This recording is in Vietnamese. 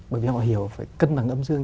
bởi vì họ hiểu phải cân bằng âm dương